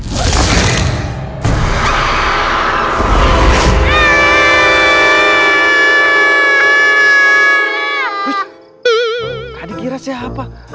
kak hadi kira siapa